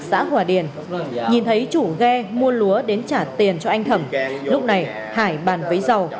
xã hòa điền nhìn thấy chủ ghe mua lúa đến trả tiền cho anh thẩm lúc này hải bàn vấy dầu